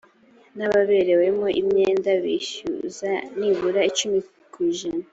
n’ababerewemo imyenda bishyuza nibura icumi ku ijana